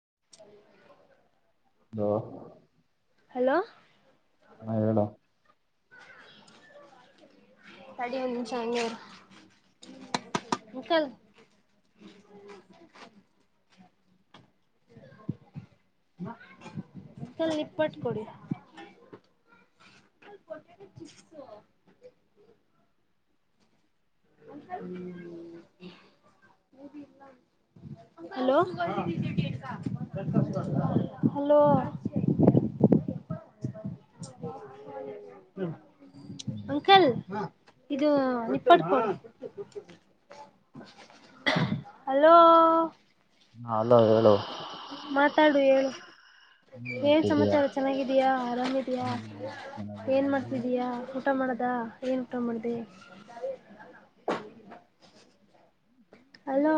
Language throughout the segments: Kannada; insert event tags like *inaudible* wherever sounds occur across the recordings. *inaudible* ಹ ಹಲೋ ಹಾ ಹೇಳಡ ಅಡಿ ಒಂದಚಂಗ ಮಕಲ್ *inaudible* *inaudible* ನಿಪ್ಪಟ್ಟ ಕೊಡಿ ಕಟ್ಟ ಕಸ ಹ್ಮ್ *inaudible* ಹಲೋ ಹಲೋ *inaudible* ಅಂಕಲ್ ಇದು ಇಡ್ಕ ಹಲೋ ಹಾ ಅಲೋ ಹೇಳೋ ಮಾತಾಡು ಹೇಳು ಹ್ಮ್ ಏನ್ ಸಮಾಚಾರ ಚೆನ್ನಾಗಿದಯಾ ಆರಾಮಿದ್ಯಾಾ ಹ್ಮ್ ಚೆನ್ನಾಗಿ. ಏನ್ ನೀನು? ಮಾಡ್ತಿದೀಯಾ ಊಟ ಮಾಡ ಾ ಏನ್ಟ ಮಾಡ್ದ ಅಲೋ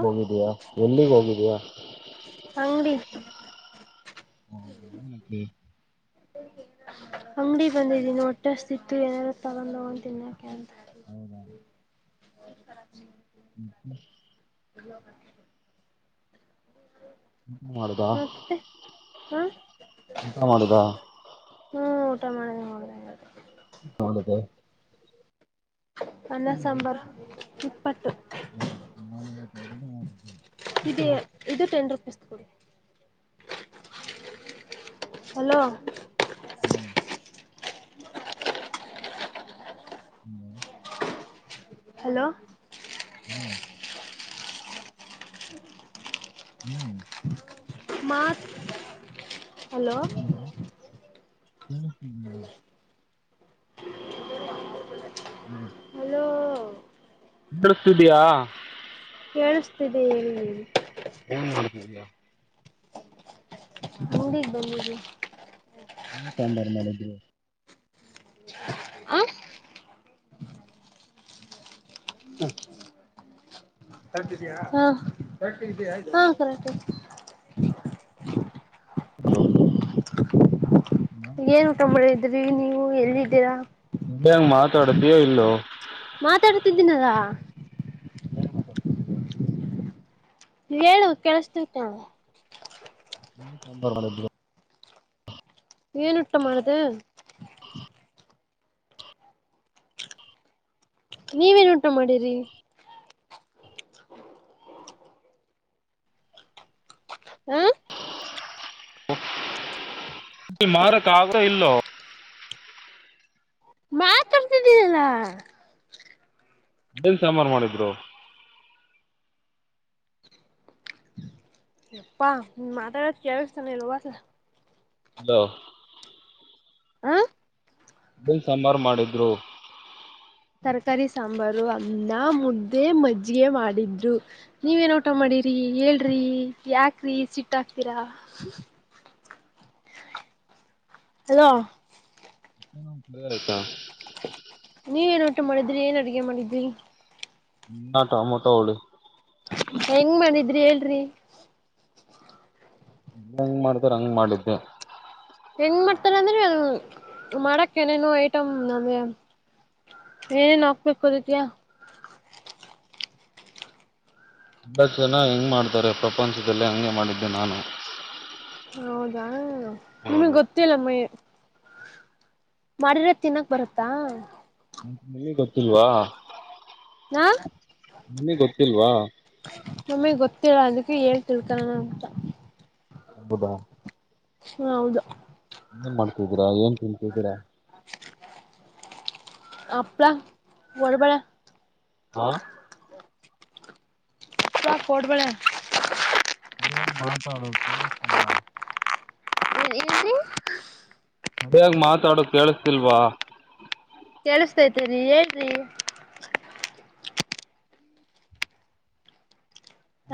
ನಿಗ್ ಹೋಗಿದೀಯಾ ಎಲ್ಲಿಗ್ ಹೋಗಿದಯಾ ಅಂಗಡಿ ಹಾ ಅಂಗಡಿ ಬಂದಿದ್ದೀನಿ ಒಟ್ಟಷ್ಟ ಇತ್ತು ಏನಾದಾರು ತರ ತಗೊಂತೀನಿ ಹೌದಾ ಹ ರಾ ಚ ಹ್ಮ ಇ ಎಂತ ಮಾಡುದಾ ಮತ್ತೆ ಹಾ ಎಂತ ಮಾಡುದಾ ಹ್ಮ್ ಊಟ ಮಾಡಿದೆ ನೋ್ದಿ ಹೌನದ ಪಸಂಬರ್ ಹಾ ನಾನು ಕಡ ಇದು ಇದು ಟೆನ್ ರುಪೀಸ್ ಕೊಡಿ ಹಲೋ ಹ್ಮ್ ಹ ಹಲೋ ಹ್ಮ ಹ್ಮ್ ಮತ್ ಹಲೋ. ಹ್ಮ ಹ್ಮ್ ನಮಸ್ ಹಲೋ ಕೇಳಿಸ್ತಿದೀಯಾ ಕೇಳಿಸ್ತಿದೆ ಹೇಳಿ ಹೇಳಿ. ಹ್ಮಾ ಹುಂಡಿಗ್ ಬಂದಿದೀನಿ. ನೀ ಕೊಂಡ *unintelligible* ಹಾ ಕರೆಕ್ಟ್ ಇದಿಯಾ ಹ ಕರೆಕ್ಟ್ ಇದಿಯಾ ಹ ಕರೆಕ್ಟ್ ಇದೆ. ಹಲೋ. ಏನ್ ಊಟ ಮಾಡಿದ್ರಿ ನೀವು ಎಲ್ಲಿದ್ದೀರಾ. *unintelligible* ಹೆಂಗ ಮಾತಾಡ್ತೀಯೋ ಇಲ್ಲೋ. ಮಾತಾಡ್ತಿದ್ದೀನಲ್ಲ. ಏನ್ ಮಾತಾಡ್ತಿದ್ದಿಯ. ಹೇಳು ಕೆಳುಸ್ತೈತೆ. *unintelligible* ಮಾಡೋದು ಬಿಡು. ಏನುಟಮಾಡ್ದೆ. ನೀವೇನುಟ ಮಾಡಿರಿ. ಹ ಮಾರ ಕಾಗರ ಇಲ್ಲೋ. ಇಲ್ಲ. ಏನ್ ಸಾಂಬಾರು ಮಾಡಿದ್ರು. ಯಪ್ಪಾ ನೀನು ಮಾತಾಡದು ಕೇಳಿಸ್ತಾನೆ ಇಲ್ಲ ಹೋಗತ್ತಾ. ಹಲೋ. ಆ ಏನ್ ಸಾಂಬಾರ್ ಮಾಡಿದ್ರು. ತರಕಾರಿ ಸಾಂಬಾರು ಅನ್ನ ಮುದ್ದೆ ಮಜ್ಜಿಗೆ ಮಾಡಿದ್ರು. ನೀವ ಏನ್ ಉಟಾ ಮಾಡಿರಿ ಹೇಳ್ *unintelligible* ರೀ ಯಾಕ್ರಿ ಸಿಟ್ಟ ಅಕ್ತೀರಾ. ಹಲೋ ಎನ್ *unintelligible* ನೀವ ಏನ್ ಉಟು ಮಾಡಿದ್ರಿ ಏನ್ ಅಡಗೆ ಮಾಡಿದ್ರಿ. ಅನ್ನ ಟಮೋಟ ಉಳಿ. ಹೆಂಗ್ ಮಾಡಿದ್ರಿ ಹೇಳ್ರಿ. *unintelligible* ಹೆಂಗ್ ಮಾಡತರೊ ಹಂಗ ಮಾಡಿದ್ದೆ. ಹೆಂಗ್ ಮಾಡ್ತಾರ ಅಂದ್ರೆ ಮಾಡಕ್ ಏನೇನೊ ಐಟಮ್ ನಮಗೆ. ಏನೇನ್ ಹಾಕ್ಬೇಕು ಅದಿಕೆ. ಎಲ್ಲ ಜನ ಹೆಂಗ್ ಮಾಡ್ತಾರೆ ಪ್ರಪಂಚದಲ್ಲೇ ಹಂಗೆ ಮಾಡಿದ್ದೆ ನಾನು. ಹೌದಾ ನಿಮಗ್ ಹೌದು ಗೊತ್ತಿಲ್ಲಮ್ಮಯ ಮಾಡಿದ್ರೆ ತಿನ್ನಕ್ ಬರುತ್ತಾ. ನಿನಗ್ ಗೊತ್ತಿಲ್ವಾ. ಹಾ ನಿನಗ್ ಗೊತ್ತಿಲ್ವಾ. ನಮ್ಮಿಗೆ ಗೊತ್ತಿಲ್ಲ ಅದಕ್ಕೆ ಹೇಳಿ ತಿಳ್ಕೊಳನ ಅಂತ. ಹೌದಾ ಹ ಹೌದು ಏನ್ ಮಾಡ್ಕಿದ್ದೀರಾ ಏನ್ ತಿನ್ನತಿದೀರಾ ಅಪ್ಳಾ ಕೋಡ್ಬಳೆ ಹಾ ಕೋರ್ಟ್ಬಳ ಏನ್ ಮಾತಾಡು ಕೇಳುಸ್ತಿಲ್ವಾ *inaudible* ಬೆಗ್ ಮಾತಾಡೋ ಕೇಳಸ್ತಿಲ್ವಾ ಕೆೇಳಸ್ತೈತಿರಿ ಹೇಳ್ರಿ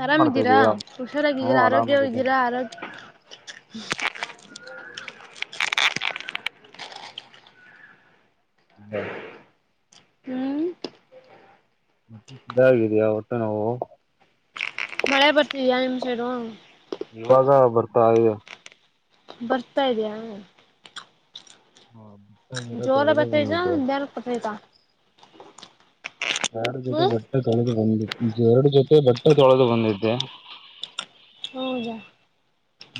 ಏನ್ ಆರಾಮ್ ಇದಿದ್ದೀರಾ ಮಾಡ್ತಿದೀಯಾ ಹ್ಮ್ ಹುಷಾರಾಗಿದ್ದೀರಾ ಆರೋಗ್ಯವ ಆರಾಮಾಗಿದ್ದೀನಿ ಇದ್ದೀರಾ ಆರೋಗ್ಯ ್ಮ *inaudible* ಹ್ಮ *inaudible* ಹ್ಮ್ ಮತ್ತೆ ಸ್ಧ ಆಗಿದಯಾ ಒಟ್ಟು ನಾವು ಮಳೆ ಬರ್ತಿದ್ಯ ನಿಮ್ ಸೈಡು ಇವಾಗ ಬರ್ತಾ ಅ ಬರ್ತಾ ಇದ್ಯಾಾ ಹಾ ಬ ಮರ ತೊಳಗ ಬರ್ತೈತಾ ಬಂದಿದ್ದೆ *inaudible* ನಿಧಾನಕ್ ಬರ್ತೈತಾ ಎರ ಜೊತೆ ಹ್ಮ್ ಬಟ್ಟೆ ತೊಳೆದು ಬಂದು ಎರಡು ಜೊತೆ ಬಟ್ಟೆ ತೊಳೆದು ಬಂದಿದ್ದೆ ಹೌದಾ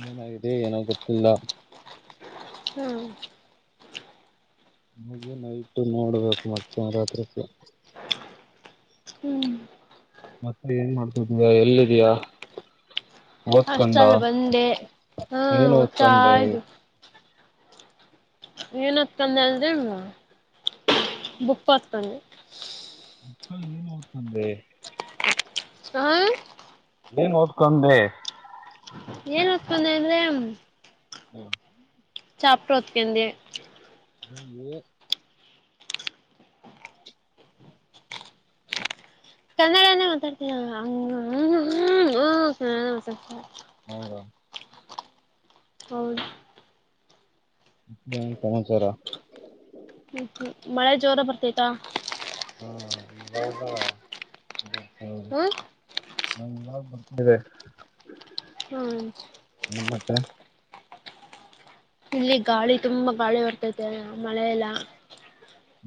ನ ಆ ಇದೆ ನ ಗೊತ್ತಿಲ್ಲ ಹ್ಮ್ ಹಗಿ ನೈಟ್ ನೋಡ್ಬೇಕು ಮತ್ತೆ ರಾತ್ರಿಕ್ಕೆ ಹ್ಮ್ ಮತ್ತೆ ಏನ್ ಮಾಡ್ತಿದ್ಯಾ ಎಲ್ಲಿದಯಾ ಓತ್ಕೊಂಡ ಅಷ್ಟ್ರಲ್ಲಿ ಬಂದೆ ಹಾ ನೀನು ಓದ್ತಾ ಓತ್ಕೊಂಡೆ ಇದ್ದೆ ಏನ್ ಹತ್ಕಂದ ಅಲ್ದಲ್ ಬುಪ್ಪ ಹತ್ಕಂದಿ ಹ ಏನ್ ಹ್ತಂದೆ ಹ್ಮ ಏನ್ ಓದ್ಕೊಂಡೆ ಏನ್ ಹತ್ಕೊಂದೆ ಅಂದ್ರೆ ಹ್ಮ ಚಾಪೋತ್ಕಂದ ಹ ಕನ್ನಡನೇ ಮಾತಾಡ್ತರ ಹ್ಮ ಹ್ಮನ್ನಡ ಮಾತಾಡ್ತ *inaudible* ಹೌದಾ ಹೌ ಹ್ಮ ಸಮಾಚಾರ ಹ ಮಳೆ ಜೋರ ಬರ್ತತಾ ಹ್ಮ ಹ ಹ ಹ್ಮ ಹ್ಮ್ *inaudible* ನಾಗ ಬರ್ತೇವೆ *inaudible* ಹ್ಮ್ ಮತ್ತ ಇಲ್ಲಿ ಗಾಳಿ ತುಂಬಾ ಗಾಳಿ ಬರ್ತೈತೆ ಮಳೆಲ್ಲ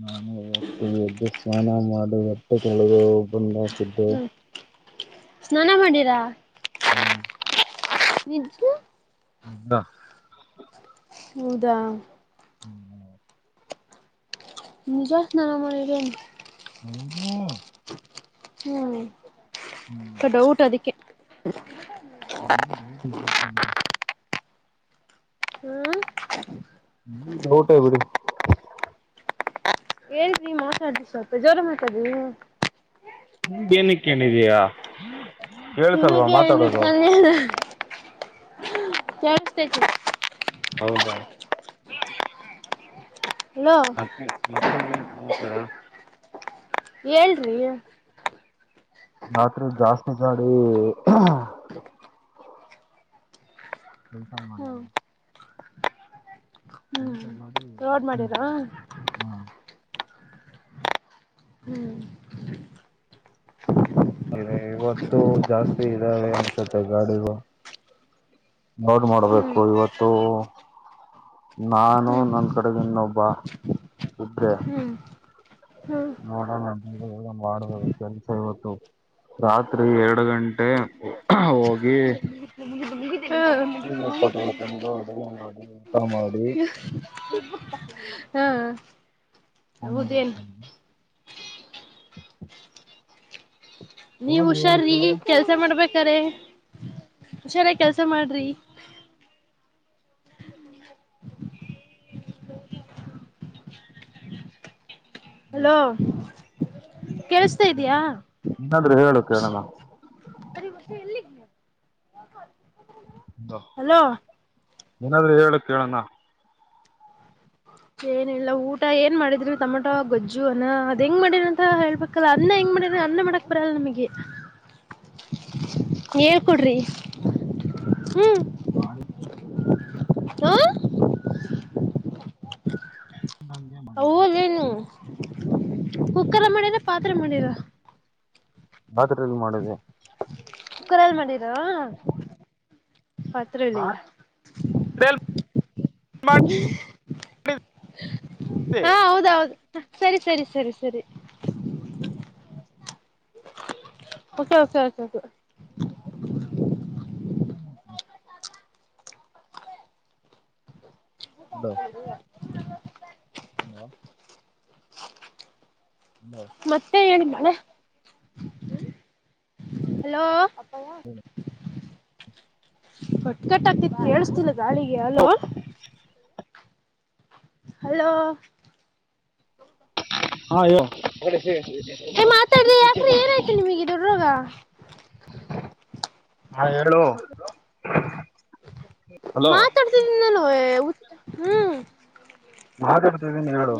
ನಾನು ಹೊತ್ತು ಎದ್ದು ಸ್ನಾನ ಮಾಡಿ ಬಟ್ಟೆ ತೊಳದು ಬಂದ ಹಾಕಿದ್ದೆ. ಹ್ಮ್ ಸ್ನಾನ ಮಾಡೀರಾ ಹಾ ನಿಜು *inaudible* ಹ ಹಾ ಹೌದಾ ನಿಜಾ ಸ್ನಾನ ಮಾಡಿರ ಹೌದು ಹ್ಮ್ ಡೌಟ್ ಅದಕ್ಕೆ ನೀ ಬ *inaudible* ಹ್ಮ್ ಡೌಟ್ ಬಿಡಿ. ಹೇಳಿದೀ ಮಾತಾಡ್ ಸ್ವಲ್ಪ ಜ್ವರ ಮಾತಾಡು. ನಿಮ್ಗೆನಕ್ಕೇನಿದಯಾ. ನಿಮಗೆ ಇಟ್ಕೊಂಡಿಲ್ಲ ಕೇಳಿಸ್ತಾ ಇದೆ. ಹೌದಾ ಹಲೋ ಮತ್ತೆ ಮತ್ತೆ ಏನ್ ಸಮಾಚಾರ. ಹೇಳ್ರಿ. ರಾತ್ರಿ ಜಾಸ್ತಿ ಗಾಡಿ. ಬೆಳಸಾವ ಮಾಡ ಹ್ಮ್ *inaudible* ಹ್ಮ್ ಇಂತ ನಲ್ಲಾಡಿ ರೋಡ್ ಮಾಡಿರಾ ಹಾ *inaudible* ಹ್ಮ್ ಇವತ್ತು ಜಾಸ್ತಿ ಇದಾವೆ ಅನ್ಸುತ್ತೆ ಗಾಡಿಗೂ. ನೋಡ್ ಹ್ಮ್ ಮಾಡ್ಬೇಕು ಇವತ್ತು. ನಾನು ಹ್ಮ್ ನನ್ನ ಕಡೆಗ ಇನ್ನೊಬ್ಬ ಇಬ್ರೆ. ಹ್ಮ್ ಹ್ಮ್ ನೋಡೋಣ ಮಾಡಬೇಕ ಕೆಲ್ಸ ಇವತ್ತು. ರಾತ್ರಿ ಎರಡು ಗಂಟೆ ಹೋಗಿ. *unintelligible* ಹ ಕದಳ್ಕಂದು ಅಡಗ ಮಾಡಿ ಊಟ ಮಾಡಿ. ಹಾ ಹೌದೇನ್ *inaudible* ನೀವು ಹುಷಾರಿ ಕೆಲ್ಸ ಮಾಡ್ಬೇಕು. ಹುಷರಾಗಿ ಕೆಲ್ಸ ಮಾಡ್ರಿ. ಹಲೋ ಕೇಳಿಸ್ತಾ ಇದಿಯಾ. ಏನಾದ್ರು ಹೇಳು ಕೇಳೋಣ ಹಲೋ ಏನಾದ್ರೂ ಹೇಳಕ್ ಕೇಳಣ. ಏನಿಲ್ಲ ಊಟ ಏನ್ ಮಾಡಿದ್ರರು ಟಮೊಟೋ ಗೊಜ್ಜು ಅನ್ನ ಅದ ಹೆಂಗ್ ಮಾಡಿದ್ರಿ ಅಂತ ಹೇಳ್ಬೇಕಲ್ಲ ಅ. ಅನ್ನ ಹೆಂಗ ಮಾಡ್ರ ಅನ್ನ ಮಾಡಕ್ ಬರಲ್ಲ ನಿಮಗೆ. *inaudible* ಹೇಳ ಕೊಡ್ರಿ. *inaudible* ನಮಗೆ. ಹಾ. ನಂಗೆ ಹದೇನು ಕುಕ್ಕರ ಮಾಡಿರ ಪಾತ್ರೆ ಮಾಡಿರ. ಪಾತ್ರಲ್ಲಿ ಮಾಡಿದೆ. ಕುಕ್ಕರ್ ಅಲ್ಲಿ ಮಾಡಿರಾ ಪಾತ್ರ ಅಲ್ಲಿ. *inaudible* ಹಾ ಹೌದೌದು. ಸರಿ ಸರಿ ಸರಿ ಸರಿ. Okay okay okay. ನೀ *inaudible* ಹ *inaudible* ಹ್ಮ *inaudible* ಮತ್ತೆ ಏನ್ ಮಳೆ. ಹಲೋ ಅ. ಕತ್ ಕಟ್ ಆಗ್ತಿತಿ ಕೇಳಿಸತಿಲ್ಲ ಗಾಳಿಗೆ ಅಲೋ. ಹಲೋ. ಹಾ ಯ ಬ *inaudible* ಏ ಮಾತಾಡ್ರಿ ಯಾಕ್ರಿ ಏನಾಯ್ತು ನಿಮಗೆ ದೊಡ್ಡೋಗ *unintelligible* ಹಾ ಹೇಳು. ಹಲೋ ಮಾತಾಡ್ತನಿ ನಾನು ಹ್ಮ್. ಭಾಗ *unintelligible*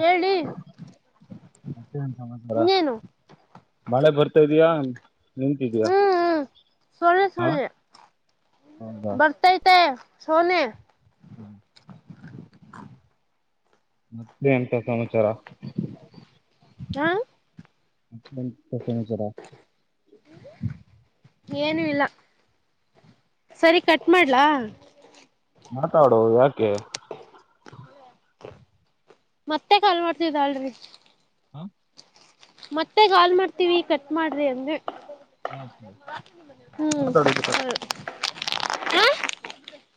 ಹೇಳಿ ಮತ್ತೆನ ಸಮಾಚಾರ ಇನ್ನೇನು ಮಳೆ ಬರ್ತಾ ಇದೀಯ ಹ್ಮ್ ಹ್ಮ್ ಸೊಳ್ಳೆ ಸೋಳ್ಳೆ ಹೌದಾ ಬರ್ತೈತೆ ಸೋನೆ ಮತ್ತೆ ಎಂತ ಸಮಾಚಾರ ಹ ಮತ್ತೆ ಎಂತ ಸಮಾಚಾರ ಏನು ಇಲ್ಲ ಸರಿ ಕಟ್ಟ ಮಾತಾಡೋ ಯಾಕೆ ಮತ್ತೆ ಕಾಲ್ ಮಾಡ್ತಿವಿ ತಾಳಿ ಹಾ ಮತ್ತೆ ಗಾಲ್ ಮಾಡ್ತೀವಿ ಕಟ್ ಮಾಡ್ರಿ ಅಂದ ಯಾಕೆ? ಹ್ಮ್ ಮಾತಾಡಿದ್ರೆ ಸ ಹ